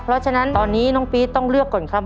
เพราะฉะนั้นตอนนี้น้องปี๊ดต้องเลือกก่อนครับ